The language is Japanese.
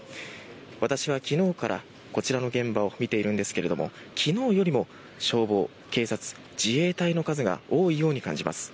私は昨日からこちらの現場を見ているんですが昨日よりも消防、警察、自衛隊の数が多いように感じます。